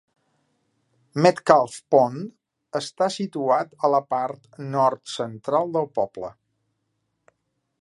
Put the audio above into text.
Metcalf Pond està situat a la part nord-central del poble.